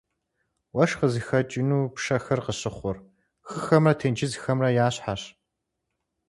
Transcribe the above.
Уэшх къызыхэкӏыну пшэхэр къыщыхъур хыхэмрэ тенджызхэмрэ я щхьэрщ.